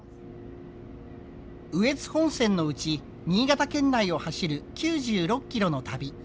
羽越本線のうち新潟県内を走る９６キロの旅。